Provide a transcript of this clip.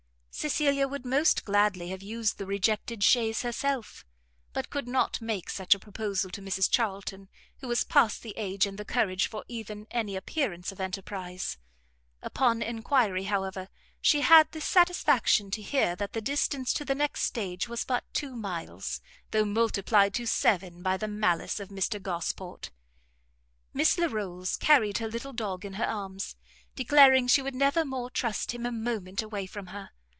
Cecilia would most gladly have used the rejected chaise herself, but could not make such a proposal to Mrs Charlton, who was past the age and the courage for even any appearance of enterprize. Upon enquiry, however, she had the satisfaction to hear that the distance to the next stage was but two miles, though multiplied to seven by the malice of Mr Gosport. Miss Larolles carried her little dog in her arms, declaring she would never more trust him a moment away from her.